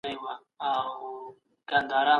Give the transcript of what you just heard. د پيغمبر لارښوونې تعقيب کړئ.